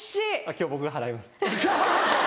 今日僕が払います。